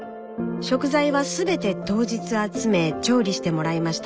食材はすべて当日集め調理してもらいました。